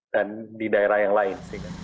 dan di daerah yang lain